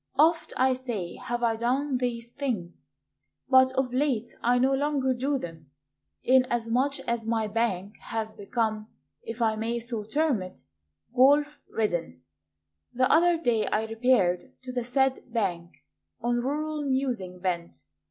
Oft, I say, have I done these things; But of late I no longer do them, Inasmuch as my bank Has become (if I may so term it) Golf ridden. The other day I repaired to the said bank On rural musings bent.